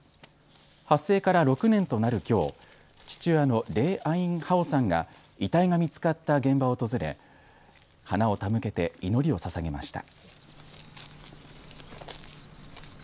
発生から６年となるきょう父親のレェ・アイン・ハオさんが遺体が見つかった現場を訪れ花を手向けて祈りをささげました。